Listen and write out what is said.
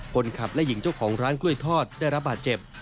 คนขับและหญิงเจ้าของร้านกล้วยทอดได้รับบาดเจ็บ